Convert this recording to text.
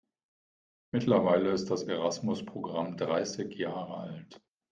Mittlerweile ist das Erasmus-Programm dreißig Jahre alt.